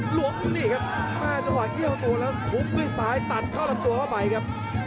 หลวงนี่ครับน่าจะหว่างเที่ยวตัวแล้วฮุกด้วยซ้ายตัดเข้าหลับตัวเข้าไปครับ